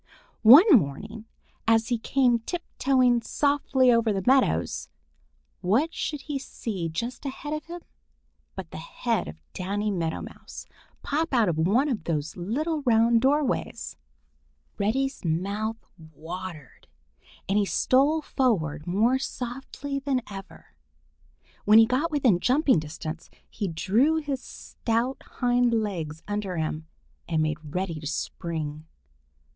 One morning, as he came tiptoeing softly over the meadows, what should he see just ahead of him but the head of Danny Meadow Mouse pop out of one of those little round doorways. Reddy's mouth watered, and he stole forward more softly than ever. When he got within jumping distance, he drew his stout hind legs under him and made ready to spring.